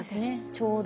ちょうど。